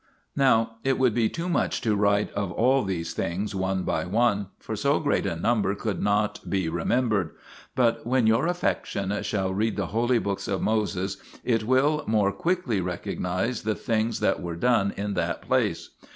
Now it would be too much to write of all these things one by one, for so great a number could not be remembered, but when your affection 6 shall read the holy books of Moses it will more quickly recognize the things that were done in that place.